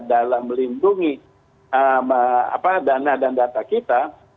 dalam melindungi dana dan data kita